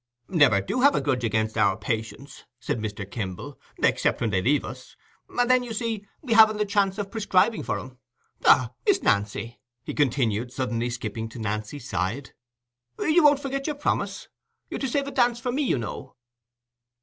"Never do have a grudge against our patients," said Mr. Kimble, "except when they leave us: and then, you see, we haven't the chance of prescribing for 'em. Ha, Miss Nancy," he continued, suddenly skipping to Nancy's side, "you won't forget your promise? You're to save a dance for me, you know."